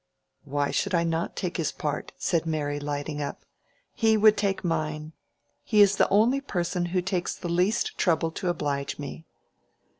"Why should I not take his part?" said Mary, lighting up. "He would take mine. He is the only person who takes the least trouble to oblige me."